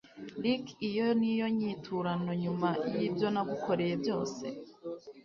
Ricky iyo niyo nyiturano nyuma y ibyo nagukoreye byose